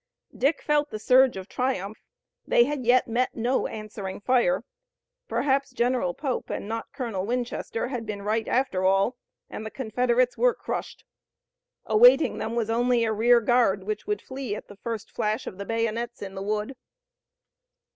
Dick felt the surge of triumph. They had yet met no answering fire. Perhaps General Pope and not Colonel Winchester had been right after all, and the Confederates were crushed. Awaiting them was only a rear guard which would flee at the first flash of the bayonets in the wood.